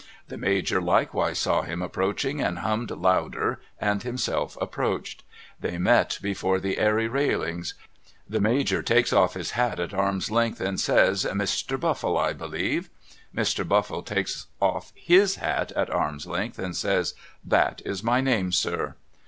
The Major likewise saw him approaching and hummed louder and himself approached. They met before the Airy railings. The Major takes off his hat at arm's length and says ' Mr. Buffle I believe ?' Mr. Buffle takes off Jiis hat at arm's length and says ' That is my name sir.'